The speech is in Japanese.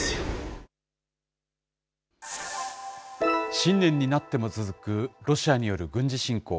新年になっても続くロシアによる軍事侵攻。